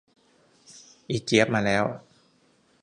อีเจี๊ยบมาแล้ว